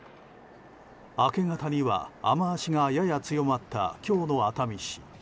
明け方には雨脚がやや強まった今日の熱海市。